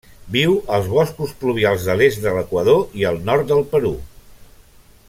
Viu als boscos pluvials de l'est de l'Equador i al nord del Perú.